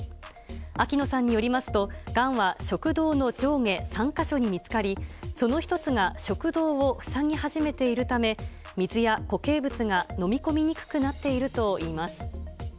秋野さんによりますと、がんは食道の上下３か所に見つかり、その１つが食道を塞ぎ始めているため、水や固形物が飲み込みにくくなっているといいます。